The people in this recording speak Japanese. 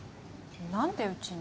何でうちに？